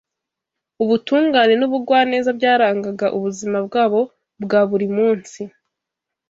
ubutungane n’ubugwaneza byarangaga ubuzima bwabo bwa buri munsi